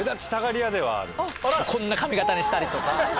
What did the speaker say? こんな髪形にしたりとか。